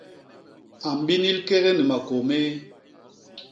A mbinil kék ni makôô méé.